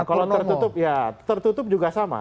kalau tertutup ya tertutup juga sama